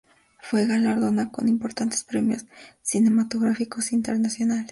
Fue galardonada con importantes premios cinematográficos internacionales.